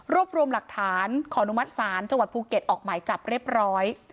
รวมรวมหลักฐานขออนุมัติศาลจังหวัดภูเก็ตออกหมายจับเรียบร้อย